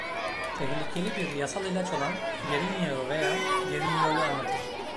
Tehlikeli bir yasal ilaç olan "Gerin Yağı" veya "Geriniol’u anlatır.